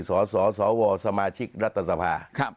สสวสมาชิกรัฐสภา